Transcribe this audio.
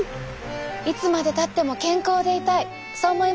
いつまでたっても健康でいたい。